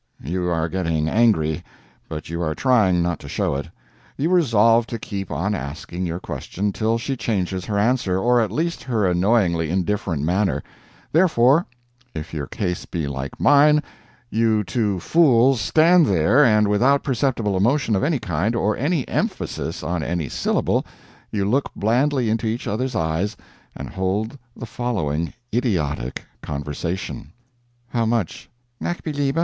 You are getting angry, but you are trying not to show it; you resolve to keep on asking your question till she changes her answer, or at least her annoyingly indifferent manner. Therefore, if your case be like mine, you two fools stand there, and without perceptible emotion of any kind, or any emphasis on any syllable, you look blandly into each other's eyes, and hold the following idiotic conversation: "How much?" "NACH BELIEBE."